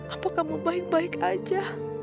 apa kamu baik baik aja